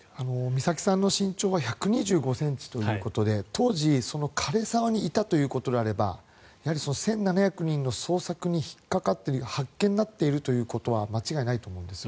美咲さんの身長は１２５ｃｍということで当時、枯れ沢にいたということであればやはり１７００人の捜索に引っかかって発見されているということは間違いないと思うんです。